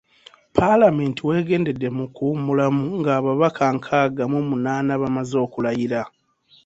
PaAlamenti w’egendedde mu kuwummulamu ng’ababaka nkaaga mu munaana bamaze okulayira.